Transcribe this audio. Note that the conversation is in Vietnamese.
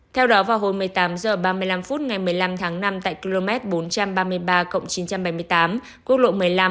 theo đó vào hồi một mươi tám h ba mươi năm phút ngày một mươi năm tháng năm tại km bốn trăm ba mươi ba chín trăm bảy mươi tám quốc lộ một mươi năm